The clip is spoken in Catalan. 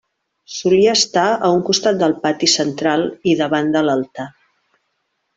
Solia estar a un costat del pati central i davant de l'altar.